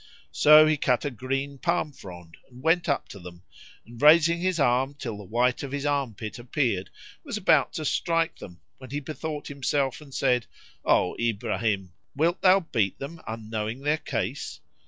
So he cut a green palm frond[FN#44] and went up to them; and, raising his arm till the white of his arm pit appeared, was about to strike them, when he bethought himself and said, "O Ibrahim, wilt thou beat them unknowing their case?